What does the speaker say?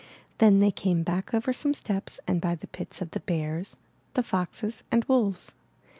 Then they came back over some steps and by the pits of the bears, the foxes, and wolves.